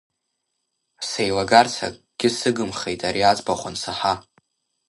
Сеилагарц акгьы сыгымхеит ари аӡбахә ансаҳа.